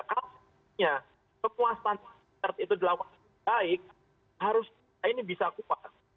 kalo ya kekuasaan c cart itu dilakukan dengan baik harus ini bisa kuat